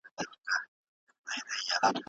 موږ باید د انټرنيټ د ګټو په اړه پوه شو.